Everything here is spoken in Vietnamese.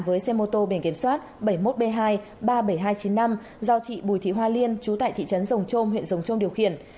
với xe mô tô biển kiểm soát bảy mươi một b hai ba mươi bảy nghìn hai trăm chín mươi năm do chị bùi thị hoa liên chú tại thị trấn rồng trôm huyện rồng trôn điều khiển